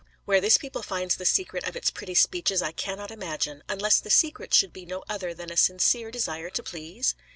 Where this people finds the secret of its pretty speeches, I cannot imagine; unless the secret should be no other than a sincere desire to please?